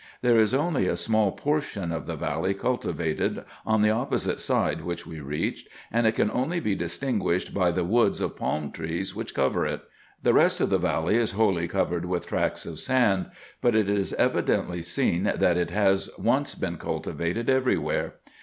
There is only a small portion of the valley cultivated on the opposite side which we reached, and it can only be distinguished by the woods of palm trees which cover it. The rest of the valley is wholly covered with tracts of sand, but it is evidently seen that it has once been cultivated every where.